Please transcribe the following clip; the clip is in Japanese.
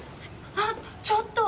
あっちょっと！